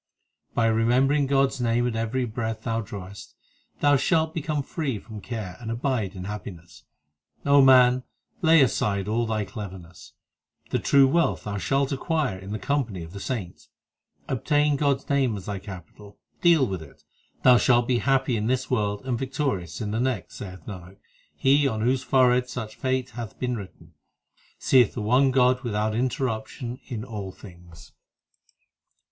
By remembering God s name at every breath thou drawest, Thou shalt become free from care and abide in happi ness O man, lay aside all thy cleverness ; The true wealth thou shalt acquire in the company of the saints. Obtain God s name as thy capital, deal with it, And thou shalt be happy in this world and victorious in the next Saith Nanak, he on whose forehead such fate hath been written, Seeth the one God without interruption in all things.